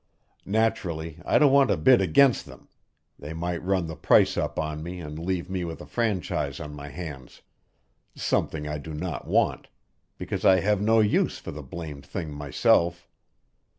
Naturally, I don't want to bid against them; they might run the price up on me and leave me with a franchise on my hands something I do not want, because I have no use for the blamed thing myself.